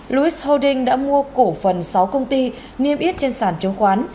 lewis holdings đã mua cổ phần sáu công ty niêm yết trên sản trúng khoán